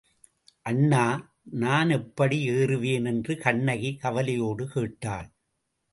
அண்ணா, நானெப்படி ஏறுவேன்? என்று கண்ணகி கவலையோடு கேட்டாள்.